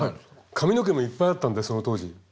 髪の毛もいっぱいあったんでその当時。